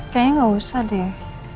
kayaknya gak usah deh